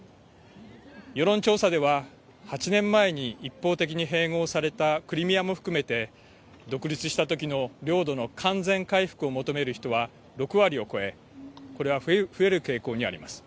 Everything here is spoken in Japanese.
世論調査では８年前に一方的に併合されたクリミアも含めて独立したときの領土の完全回復を求める人は６割を超えこれは増える傾向にあります。